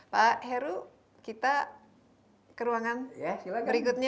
pak heru kita ke ruangan berikutnya